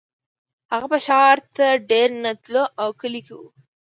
هغه به ښار ته ډېر نه تلو او کلي کې و